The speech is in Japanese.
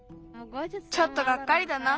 ちょっとがっかりだな。